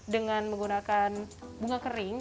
dengan menggunakan bunga kering